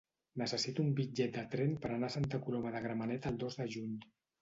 Necessito un bitllet de tren per anar a Santa Coloma de Gramenet el dos de juny.